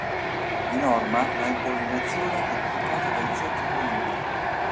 Di norma la impollinazione è praticata da insetti pronubi.